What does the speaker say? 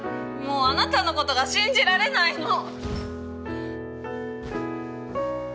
もうあなたのことが信じられないの！